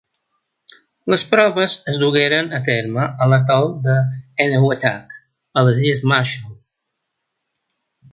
Les proves es dugueren a terme a l'atol d'Enewetak, a les Illes Marshall.